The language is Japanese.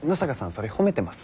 それ褒めてます？